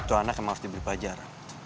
itu anak yang harus dibeli pajar